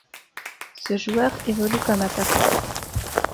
Ce joueur évolue comme attaquant.